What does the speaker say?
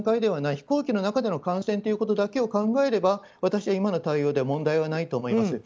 飛行機の中での感染ということを考えれば、私は今の対応は問題はないと思います。